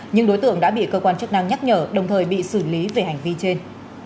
nhưng đối tượng đã bị cơ quan chức năng nhắc nhở đồng thời bị xử lý về hành vi trên